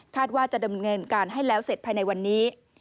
ว่าจะดำเนินการให้แล้วเสร็จภายในวันนี้